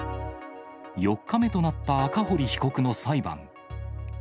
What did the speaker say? ４日目となった赤堀被告の裁判。